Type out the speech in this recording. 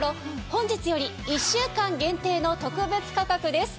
本日より１週間限定の特別価格です。